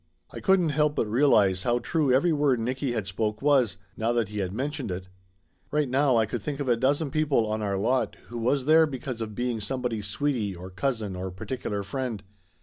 I couldn't help but realize how true every word Nicky had spoke was, now that he had mentioned it. Right away I could think of a dozen people on our lot who was there because of being somebody's sweetie or cousin or particular friend.